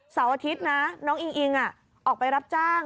เสาร์อาทิตย์นะน้องอิงอิงออกไปรับจ้าง